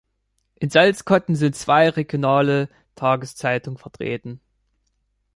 In Salzkotten sind zwei regionale Tageszeitungen vertreten.